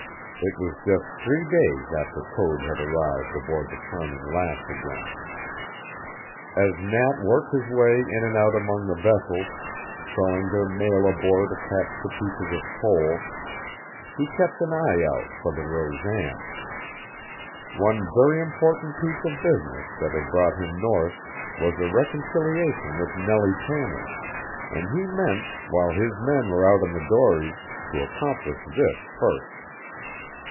It was just three days after Code had arrived aboard the Charming Lass again. As Nat worked his way in and out among the vessels, throwing their mail aboard attached to pieces of coal, he kept an eye out for the Rosan. One very important piece of business that had brought him North was a reconciliation with Nellie Tanner, and he meant, while his men were out in the dories, to accomplish this first.